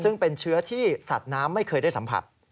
ซึ่งเป็นเชื้อที่สัตว์น้ำไม่เคยได้สัมผัส